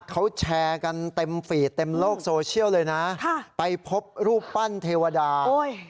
เขาแชร์กันเต็มฟีดเต็มโลกโซเชียลเลยนะค่ะไปพบรูปปั้นเทวดาโอ้ย